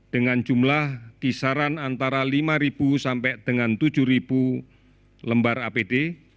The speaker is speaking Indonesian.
dengan jumlah kisaran antara lima sampai dengan tujuh lembar apd